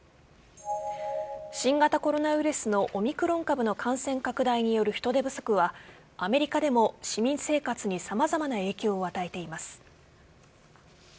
新型コロナウイルスのオミクロン株の感染拡大による人手不足はアメリカでも市民生活に様々な影響を与えています。